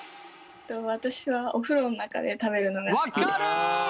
私はお風呂の中で食べるのが好きです。